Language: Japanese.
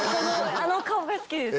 あの顔が好きです。